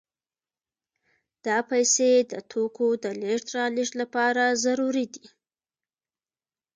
دا پیسې د توکو د لېږد رالېږد لپاره ضروري دي